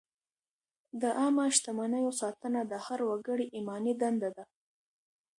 د عامه شتمنیو ساتنه د هر وګړي ایماني دنده ده.